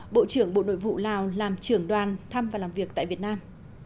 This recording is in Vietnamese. bộ trưởng bộ nội vụ lào làm trưởng đoàn thăm và làm việc tại việt nam